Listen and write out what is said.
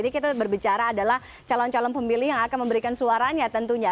jadi kita berbicara adalah calon calon pemilih yang akan memberikan suaranya tentunya